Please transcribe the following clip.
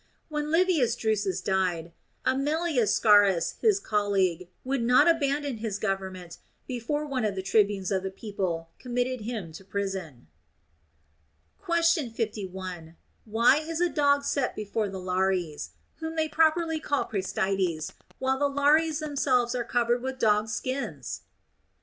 When Livius Drusus died, Aemilius Scaurus his colleague would not abandon his government before one of the tribunes of the people committed him to prison. THE ROMAN QUESTIONS. 233 Question 51. Why is a dog set before the Lares, whom they properly call Praestites, while the Lares themselves are covered with dogs' skins